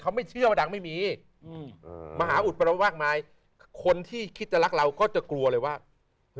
เขาไม่เชื่อว่าดังไม่มีอืมมหาอุดประเรามากมายคนที่คิดจะรักเราก็จะกลัวเลยว่า